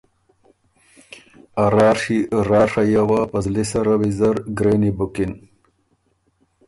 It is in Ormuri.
ا راڒی راڒئ یه وه په زلی سره ویزر ګرېنی بُکِن